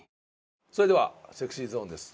それでは『ＳｅｘｙＺｏｎｅ』です。